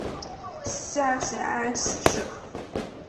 下辖安省。